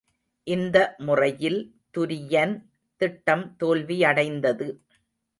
இந்த முறையில் துரியன் திட்டம் தோல்வியடைந்தது.